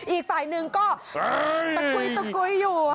อีกฝ่ายหนึ่งก็ตะกุ๊ยอยู่ฮะ